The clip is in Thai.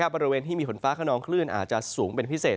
บริเวณที่มีฝนฟ้าขนองคลื่นอาจจะสูงเป็นพิเศษ